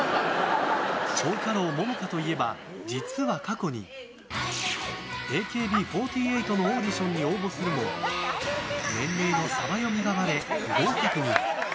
蝶花楼桃花といえば実は過去にＡＫＢ４８のオーディションに応募するも年齢のさば読みがばれ、不合格に。